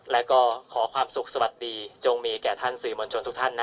แล้วก็ขอความสุขสวัสดีจงมีแก่ท่านสื่อมวลชนทุกท่านนะ